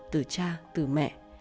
từ cha từ mẹ